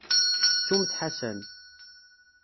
Ttumt Ḥasan.